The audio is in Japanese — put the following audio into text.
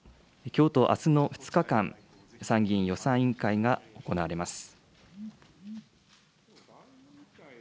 きょうとあすの２日間、参議院予算委員会が行われます。